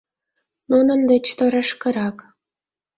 — Нунын деч торашкырак.